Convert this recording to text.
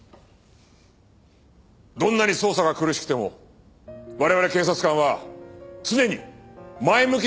どんなに捜査が苦しくても我々警察官は常に前向きでいなければならない。